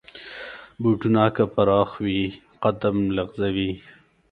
بوټونه که پراخ وي، قدم لغزوي.